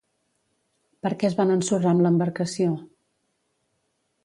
Per què es van ensorrar amb l'embarcació?